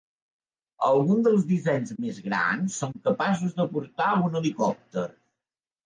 Alguns dels dissenys més grans són capaços de portar un helicòpter.